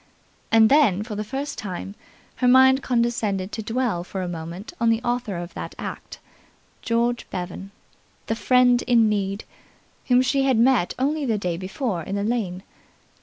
And then, for the first time, her mind condescended to dwell for a moment on the author of that act, George Bevan, the friend in need, whom she had met only the day before in the lane.